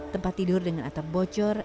tempat tidur dengan atap bocor